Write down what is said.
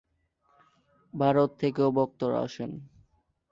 ভারত থেকেও ভক্তরা আসেন।